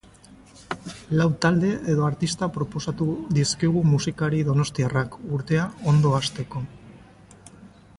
Lau talde edo artista proposatu dizkigu musikari donostiarrak, urtea ondo hasteko.